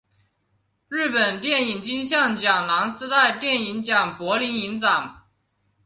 日本电影金像奖蓝丝带电影奖柏林影展